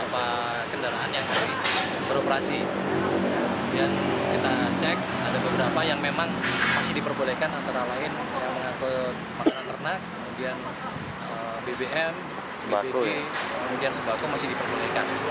beberapa yang memang masih diperbolehkan antara lain yang mengaku makanan renak kemudian bbm cbd kemudian subaco masih diperbolehkan